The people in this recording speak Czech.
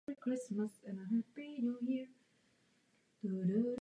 Narodil se ve Praze.